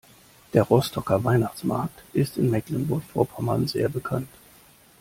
Der Rostocker Weihnachtsmarkt ist in Mecklenburg Vorpommern sehr bekannt.